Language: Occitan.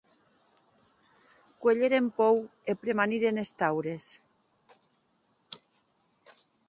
Cuelheren pòur e premaniren es taures.